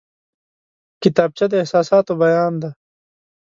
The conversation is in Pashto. کتابچه د احساساتو بیان دی